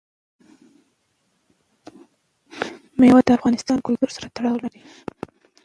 مېوې د افغان کلتور سره تړاو لري.